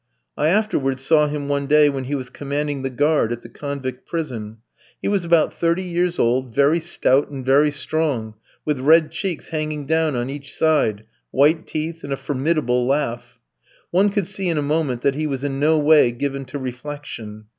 I afterwards saw him one day when he was commanding the guard at the convict prison; he was about thirty years old, very stout and very strong, with red cheeks hanging down on each side, white teeth, and a formidable laugh. One could see in a moment that he was in no way given to reflection.